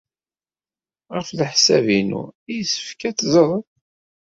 Ɣef leḥsab-inu yessefk ad t-teẓreḍ.